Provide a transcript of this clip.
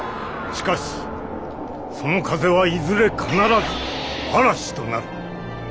しかしその風はいずれ必ず嵐となる。